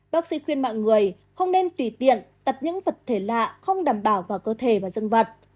bác sĩ khuyên mọi người không nên tùy tiện những vật thể lạ không đảm bảo vào cơ thể và dân vật